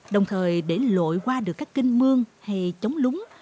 đồng thời để lội qua được các kinh mương hay chống lúng